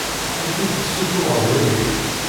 Amek i d-tessuffuɣeḍ wagi?